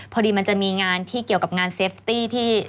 พอดีมันจะมีงานที่เกี่ยวกับงานเซฟตี้ที่